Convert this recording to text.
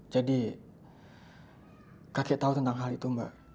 jadi kakek tahu tentang hal itu mbak